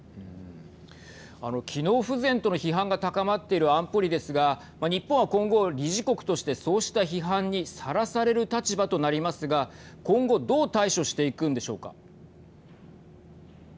機能不全との批判が高まっている安保理ですが日本は今後、理事国としてそうした批判にさらされる立場となりますが今後どう対処していくんでしょうか。